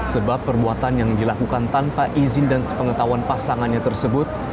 sebab perbuatan yang dilakukan tanpa izin dan sepengetahuan pasangannya tersebut